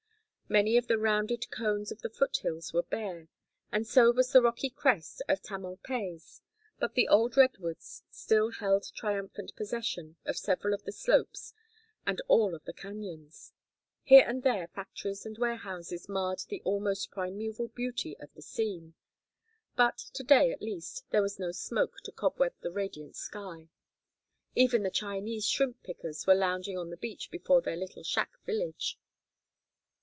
Many of the rounded cones of the foothills were bare, and so was the rocky crest of Tamalpais, but the old redwoods still held triumphant possession of several of the slopes and all of the cañons. Here and there factories and warehouses marred the almost primeval beauty of the scene, but to day at least there was no smoke to cobweb the radiant sky. Even the Chinese shrimp pickers were lounging on the beach before their little shack village.